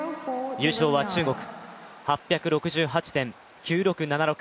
優勝は中国、８６８．９６７６。